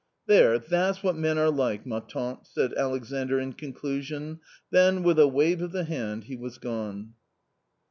"There, that's what men are like, ma tante" said Alexandr in conclusion, then, with a wave of the hand, he was gone.